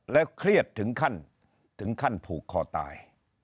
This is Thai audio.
เครียดถึงขั้นถึงขั้นผูกคอตาย